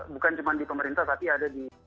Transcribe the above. bukan cuma di pemerintah tapi ada di